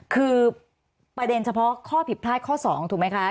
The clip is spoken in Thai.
คือประเด็นเฉพาะข้อผิดพลาดข้อ๒ถูกไหมคะ